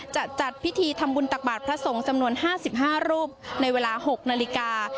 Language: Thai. จะจัดพิธีธรรมบุญตักบาทพระสงสำนวนห้าสิบห้ารูปในเวลาหกนาฬิกา